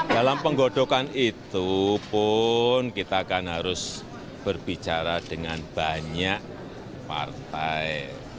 dalam penggodokan itu pun kita akan harus berbicara dengan banyak partai